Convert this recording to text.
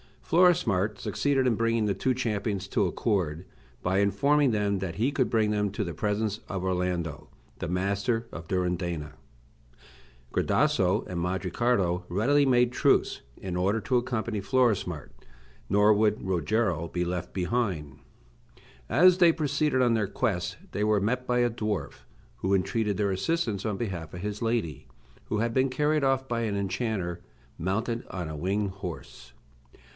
Florismart succeeded in bringing the two champions to accord, by informing them that he could bring them to the presence of Orlando, the master of Durindana. Gradasso and Mandricardo readily made truce, in order to accompany Florismart, nor would Rogero be left behind. As they proceeded on their quest they were met by a dwarf, who entreated their assistance in behalf of his lady, who had been carried off by an enchanter, mounted on a winged horse.